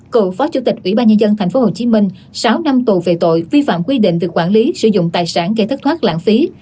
cựu phó chủ tịch ủy ban nhân dân tp hcm sáu năm tù về tội vi phạm quy định về quản lý sử dụng tài sản gây thất thoát lãng phí